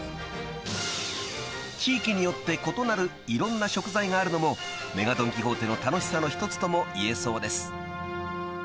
［地域によって異なるいろんな食材があるのもＭＥＧＡドン・キホーテの楽しさの一つとも言えそうです］